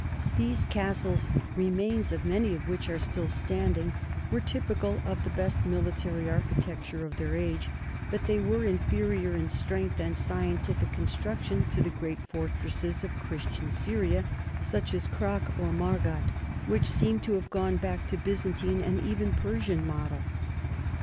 These castles, remains of many of which are still standing, were typical of the best military architec ture of their age, but they were inferior in strength and scientific construction to the great fortresses of Christian Syria, such as Krak or Margat, which seem to have gone back to Byzantine and even Persian models.